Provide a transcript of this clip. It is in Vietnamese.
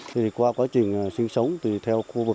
thì qua quá trình sinh sống thì theo khu vực